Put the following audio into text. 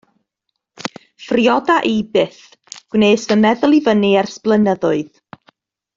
Phrioda i byth, gwnes fy meddwl i fyny ers blynyddoedd.